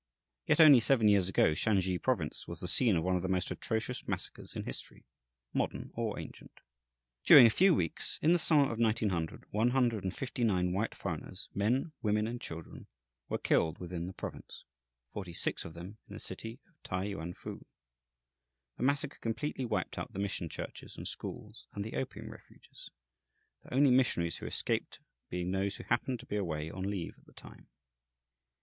Yet only seven years ago Shansi Province was the scene of one of the most atrocious massacres in history, modern or ancient. During a few weeks, in the summer of 1900, one hundred and fifty nine white foreigners, men, women, and children, were killed within the province, forty six of them in the city of T'ai Yuan fu. The massacre completely wiped out the mission churches and schools and the opium refuges, the only missionaries who escaped being those who happened to be away on leave at the time.